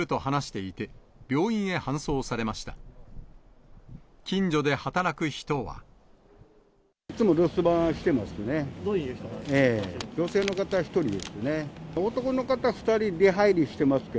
いつも留守番してますね。